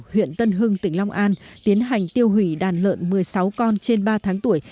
huyện tân hưng tỉnh long an tiến hành tiêu hủy đàn lợn một mươi sáu con trên ba tháng tuổi